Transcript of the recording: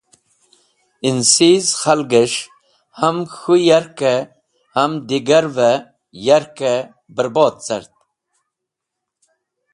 Ẽnsiz khalgẽs̃h ham k̃hũ yarkẽ ham digarvẽ yarke bẽrbod cart.